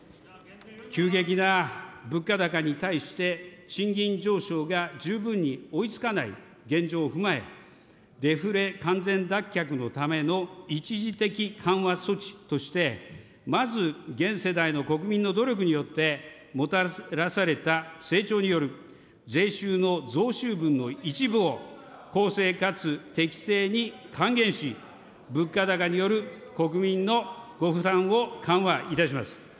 急激な物価高に対して、賃金上昇が十分に追いつかない現状を踏まえ、デフレ完全脱却のための一時的緩和措置として、まず現世代の国民の努力によってもたらされた成長による税収の増収分の一部を公正かつ適正に還元し、物価高による国民のご負担を緩和いたします。